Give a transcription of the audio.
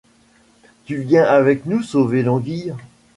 Tu viens avec nous sauver l’anguille ?